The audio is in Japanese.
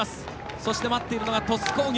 そして、待っているのが鳥栖工業。